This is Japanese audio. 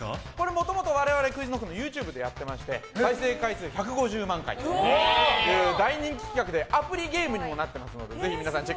もともと我々ＱｕｉｚＫｎｏｃｋのＹｏｕＴｕｂｅでやってまして再生回数１５０万回という大人気企画でアプリゲームにもなってますのでぜひ皆さん